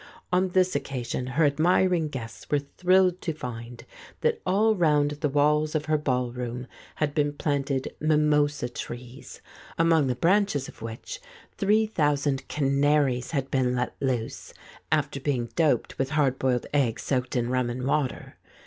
On this occasion her admiring guests were thrilled to find that all round the walls of her ballroom had been planted mimosa trees, among the branches of which three thousand canaries had been let loose, a'fter being doped with hard boiled egg soaked in rum and water.